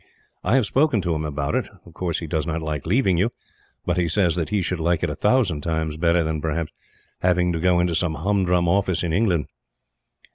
"I have spoken to him about it. Of course, he does not like leaving you, but he says that he should like it a thousand times better than, perhaps, having to go into some humdrum office in England."